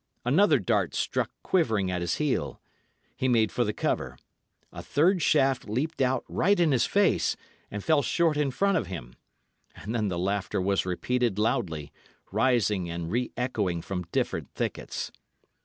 Another dart struck quivering at his heel. He made for the cover. A third shaft leaped out right in his face, and fell short in front of him. And then the laughter was repeated loudly, rising and reechoing from different thickets.